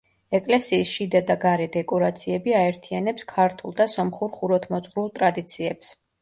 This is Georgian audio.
ეკლესიის შიდა და გარე დეკორაციები აერთიანებს ქართულ და სომხურ ხუროთმოძღვრულ ტრადიციებს.